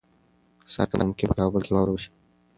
سهار ته ممکن په کابل کې واوره ووریږي.